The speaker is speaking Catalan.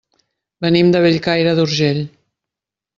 Venim de Bellcaire d'Urgell.